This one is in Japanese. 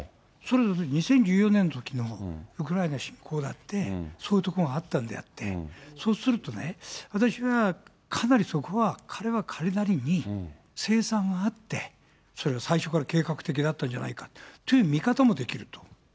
それでも２０１４年のときのウクライナ侵攻だって、そういうところがあったんであって、そうするとね、私は、かなりそこは、彼は彼なりに計算があって、それは最初から計画的だったんじゃないかという見方もできると。